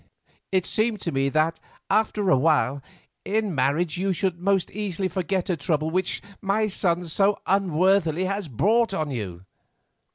It seemed to me that, after a while, in marriage you would most easily forget a trouble which my son so unworthily has brought on you."